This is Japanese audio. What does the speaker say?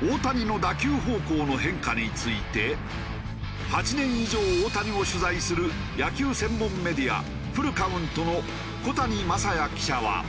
大谷の打球方向の変化について８年以上大谷を取材する野球専門メディア「フルカウント」の小谷真弥記者は。